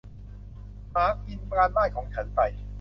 หมากินการบ้านของฉันไป